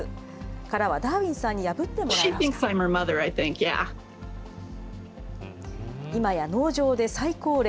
殻はダーウィンさんに破ってもら今や農場で最高齢。